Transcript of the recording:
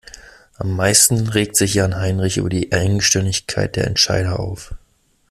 Am meisten regt sich Jan-Heinrich über die Engstirnigkeit der Entscheider auf.